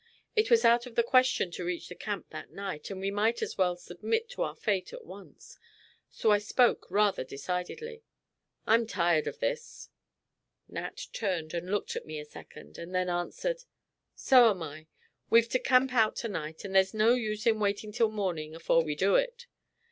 It was out of the question to reach the camp that night, and we might as well submit to our fate at once, so I spoke rather decidedly. "I'm tired of this." Nat turned and looked at me a second, and then answered: "So am I. We've to camp out to night, and there's no use in waiting till morning afore we do it.